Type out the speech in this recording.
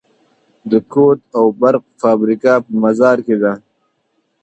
د کود او برق فابریکه په مزار کې ده